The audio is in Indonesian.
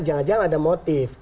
jangan jangan ada motif